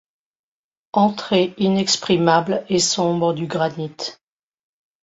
Entrée inexprimable et sombre du granit